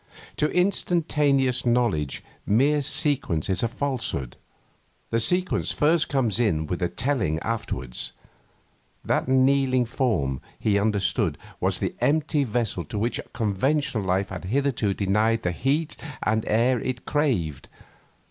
To instantaneous knowledge mere sequence is a falsehood. The sequence first comes in with the telling afterwards. That kneeling form, he understood, was the empty vessel to which conventional life had hitherto denied the heat and air it craved.